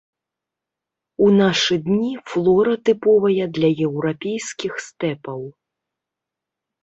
У нашы дні флора тыповая для еўрапейскіх стэпаў.